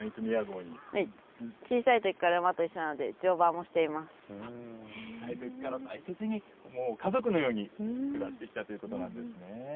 小さいときから馬と一緒なの小さいときから大切に、家族のように暮らしてきたということなんですね。